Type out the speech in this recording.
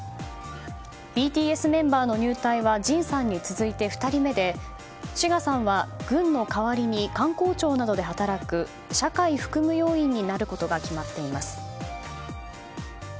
ＢＴＳメンバーの入隊はＪＩＮさんに続いて２人目でＳＵＧＡさんは軍の代わりに官公庁などで働く社会服務要員になることが決まっています。